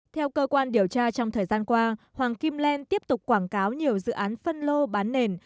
theo cơ quan điều tra trong thời gian qua hoàng kim len tiếp tục quảng cáo nhiều dự án phân lô bán nền